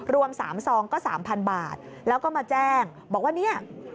รวม๓ซองก็๓๐๐บาทแล้วก็มาแจ้งบอกว่าเนี่ย